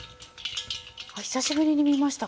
あっ久しぶりに見ました